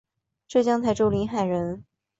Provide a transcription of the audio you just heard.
浙江台州临海人。